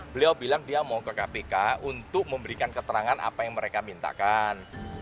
beliau bilang dia mau ke kpk untuk memberikan keterangan apa yang mereka mintakan